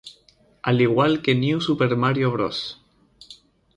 Al igual que New Super Mario Bros.